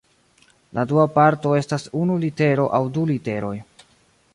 La dua parto estas unu litero aŭ du literoj.